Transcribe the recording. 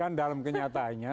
kan dalam kenyataannya